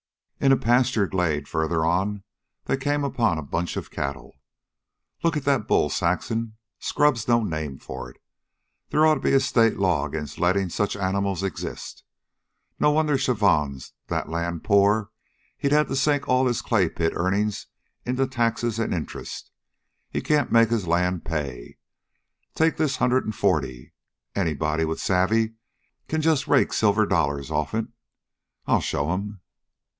In a pasture glade, farther on, they came upon a bunch of cattle. "Look at that bull, Saxon. Scrub's no name for it. They oughta be a state law against lettin' such animals exist. No wonder Chavon's that land poor he's had to sink all his clay pit earnin's into taxes an' interest. He can't make his land pay. Take this hundred an forty. Anybody with the savve can just rake silver dollars offen it. I'll show 'm."